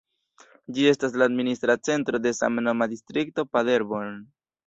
Ĝi estas la administra centro de samnoma distrikto Paderborn.